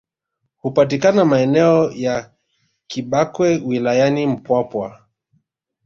Hupatikana maeneo ya Kibakwe wilayani Mpwapwa